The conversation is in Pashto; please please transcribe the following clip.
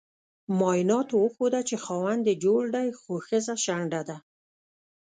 معایناتو وخوده چې خاوند یي جوړ دې خو خځه شنډه ده